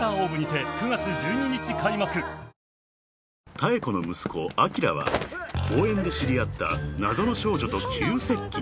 ［妙子の息子あきらは公園で知り合った謎の少女と急接近］